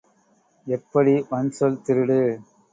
எப்படி வன்சொல் திருடு?